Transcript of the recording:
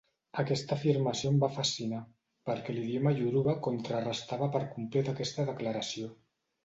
Aquesta afirmació em va fascinar perquè l'idioma ioruba contrarestava per complet aquesta declaració.